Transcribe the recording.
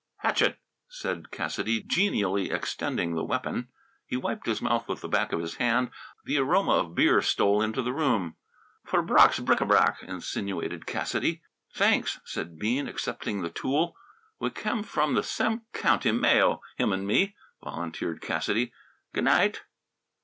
"Hatchet!" said Cassidy, genially extending the weapon. He wiped his mouth with the back of his hand. The aroma of beer stole into the room. "F'r brox brickybac!" insinuated Cassidy. "Thanks!" said Bean, accepting the tool. "We kem frum th' sem county, Mayo, him an' me," volunteered Cassidy. "G'night!"